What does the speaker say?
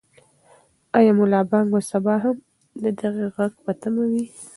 آیا ملا بانګ به سبا هم د دې غږ په تمه وي؟